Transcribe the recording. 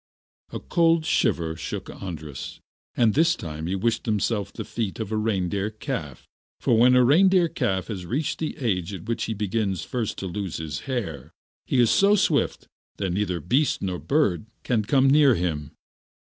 A cold shiver shook Andras, and this time he wished himself the feet of a reindeer calf. For when a reindeer calf has reached the age at which he begins first to lose his hair he is so swift that neither beast nor bird can come near him.